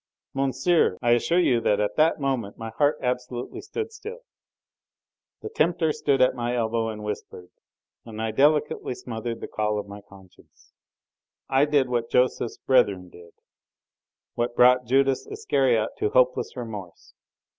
Monsieur, I assure you that at that moment my heart absolutely stood still. The tempter stood at my elbow and whispered, and I deliberately smothered the call of my conscience. I did what Joseph's brethren did, what brought Judas Iscariot to hopeless remorse.